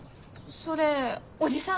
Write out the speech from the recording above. それおじさん？